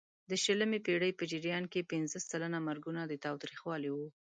د شلمې پېړۍ په جریان کې پینځه سلنه مرګونه د تاوتریخوالي وو.